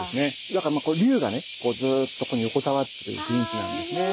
だから龍がねこうずっとここに横たわってるイメージなんですね。